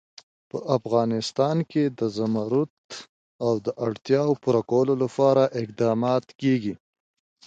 په افغانستان کې د زمرد د اړتیاوو پوره کولو لپاره اقدامات کېږي.